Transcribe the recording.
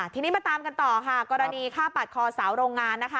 ทีนี้มาตามกันต่อค่ะกรณีฆ่าปาดคอสาวโรงงานนะคะ